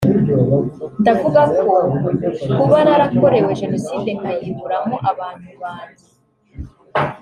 Ndavuga ko kuba narakorewe Jenoside nkayiburamo abantu banjye